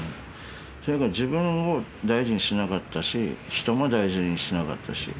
とにかく自分を大事にしなかったし人も大事にしなかったし。